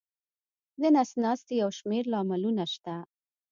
د نس ناستي یو شمېر لاملونه شته.